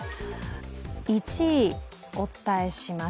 １位、お伝えします。